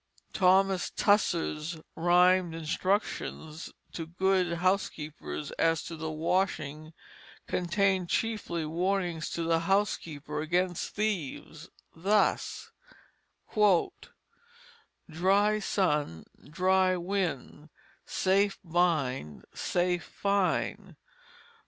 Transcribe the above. Thomas Tusser's rhymed instructions to good housekeepers as to the washing contain chiefly warnings to the housekeeper against thieves, thus: "Dry sun, dry wind, Safe bind, safe find.